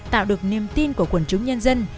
tạo được niềm tin của quần chúng nhân dân